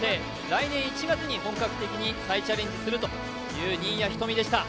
来年１月に本格的に再チャレンジするという新谷仁美でした。